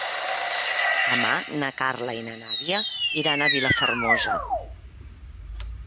Demà na Carla i na Nàdia iran a Vilafermosa.